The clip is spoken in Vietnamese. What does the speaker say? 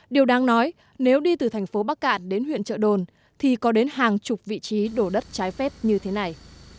điều đáng nói nếu đi từ thành phố bắc cạn đến huyện trợ đồn thì có đến hàng chục vị trí đổ đất trái phép như thế này